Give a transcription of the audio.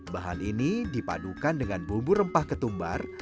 bahan ini dipadukan dengan bumbu rempah ketumbar